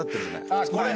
あっこれ？